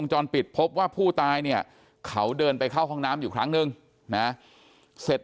จรปิดพบว่าผู้ตายเนี่ยเขาเดินไปเข้าห้องน้ำอยู่ครั้งนึงนะเสร็จ